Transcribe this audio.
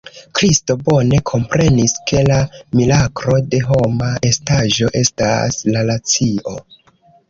Kristo bone komprenis, ke la miraklo de homa estaĵo estas la racio.